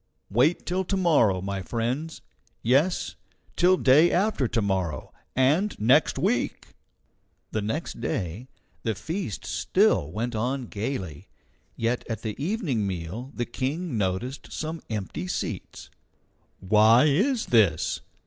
Wait till to morrow, my friends; yes, till day after to morrow, and next week!" The next day the feast still went on gayly; yet at the evening meal the King noticed some empty seats. "Why is this?"